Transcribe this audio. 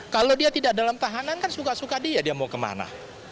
kalau dia tidak dalam tahanan kan suka suka dia dia mau kemana